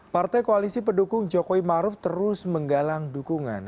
partai koalisi pendukung jokowi maruf terus menggalang dukungan